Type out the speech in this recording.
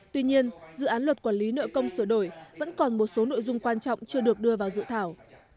tuy nhiên dự án luật quản lý nợ công sửa đổi vẫn còn một số nội dung quan trọng chưa được đưa vào dự thảo